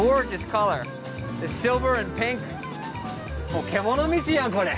もう獣道やんこれ！